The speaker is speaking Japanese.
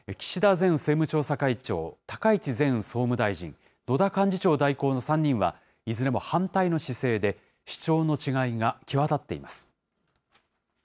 前政務調査会長、高市前総務大臣、野田幹事長代行の３人は、いずれも反対の姿勢で、主張の違いが際立っています。